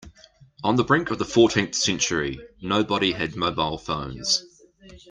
On the brink of the fourteenth century, nobody had mobile phones.